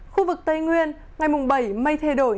khu vực tây nguyên ngày mùng bảy mây thay đổi